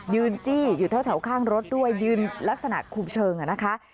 จี้อยู่แถวข้างรถด้วยยืนลักษณะคุมเชิงนะคะ